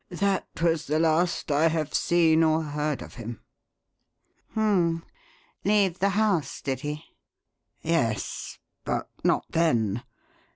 That was the last I have seen or heard of him." "H'm! Leave the house, did he?" "Yes but not then.